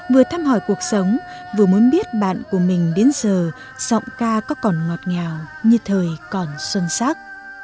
vừa thăm hỏi cuộc sống vừa muốn biết bạn của mình đến giờ giọng ca có còn ngọt ngào như thời còn xuân sắc